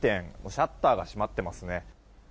シャッターが閉まっていますね。